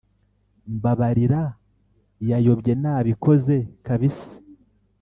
mbabarira yayobye nabikoze kabisa